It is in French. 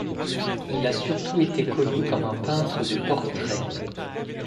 Il a surtout été connu comme un peintre de portrait.